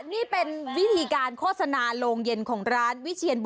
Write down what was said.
นี่เป็นวิธีโฆษณาโลงเย็นของร้าน